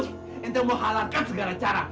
saya ingin menghalangkan secara secara